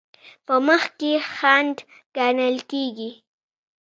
په مخ کې خنډ ګڼل کیږي.